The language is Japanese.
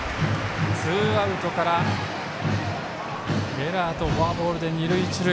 ツーアウトからエラーとフォアボールで二塁一塁。